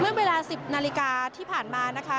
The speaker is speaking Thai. เมื่อเวลา๑๐นาฬิกาที่ผ่านมานะคะ